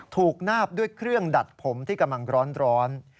นาบด้วยเครื่องดัดผมที่กำลังร้อน